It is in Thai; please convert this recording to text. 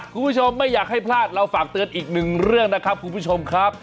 คุณผู้ชมไม่อยากให้พลาดเราฝากเตือนอีกหนึ่งเรื่องนะครับคุณผู้ชมครับ